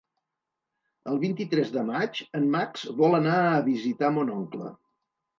El vint-i-tres de maig en Max vol anar a visitar mon oncle.